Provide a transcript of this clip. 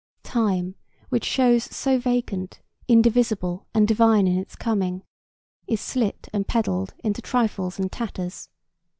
Time, which shows so vacant, indivisible and divine in its coming, is slit and peddled into trifles and tatters.